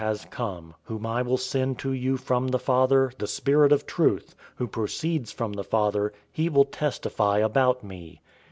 } has come, whom I will send to you from the Father, the Spirit of truth, who proceeds from the Father, he will testify about me.